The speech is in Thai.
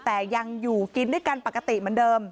แต่ยังอยู่กินด้วยกันปกติเหมือนเดิม